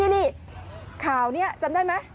นี่ข่าวนี้จำได้ไหม